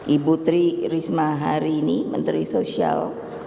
ibu tri risma harini menteri sosial